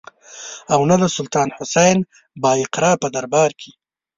او نه د سلطان حسین بایقرا په دربار کې.